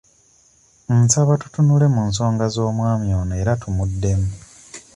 Nsaba tutunule mu nsonga z'omwami ono era tumuddemu.